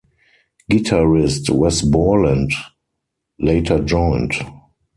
Guitarist Wes Borland later joined.